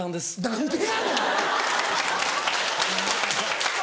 何でやねん！